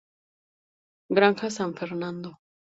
Granja San Fernando.